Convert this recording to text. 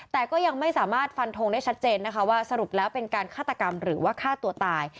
แต่ก็ยังไม่สามารถฟันทงได้ชัดเจนนะคะว่าสรุปแล้วเป็นการฆาตกรรมหรือว่าฆ่าตัวตาย